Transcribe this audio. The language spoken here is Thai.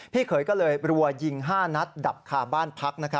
เขยก็เลยรัวยิง๕นัดดับคาบ้านพัก